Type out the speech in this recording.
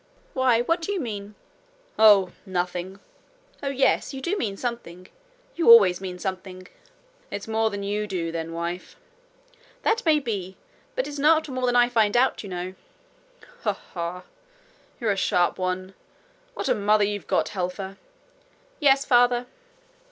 'Why, what do you mean?' 'Oh, nothing.' 'Oh, yes, you do mean something. You always do mean something.' 'It's more than you do, then, wife.' 'That may be; but it's not more than I find out, you know.' 'Ha! ha! You're a sharp one. What a mother you've got, Helfer!' 'Yes, father.'